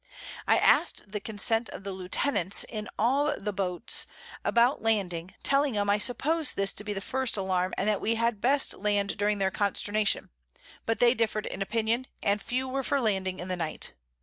I asked the Consent of the Lieutenants in all the Boats about Landing, telling 'em I suppos'd this to be the first Alarm, and that we had best land during their Consternation; but they differ'd in opinion, and few were for landing in the Night.